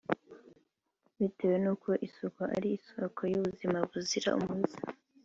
Bitewe n'uko isuku ari isoko y'ubuzima buzira umuze